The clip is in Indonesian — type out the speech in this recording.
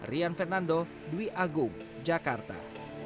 rian fernando dwi agung jakarta